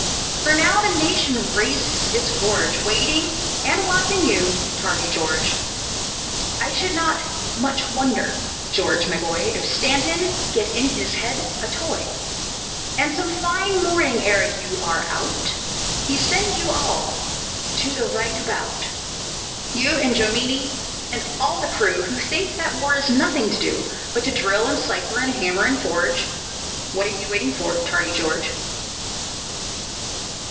For now the nation raises its gorge, Waiting and watching you, tardy George. I should not much wonder, George, my boy, If Stanton get in his head a toy, And some fine morning, ere you are out, He send you all "to the right about" You and Jomini, and all the crew Who think that war is nothing to do But to drill and cypher, and hammer and forge What are you waiting for, tardy George?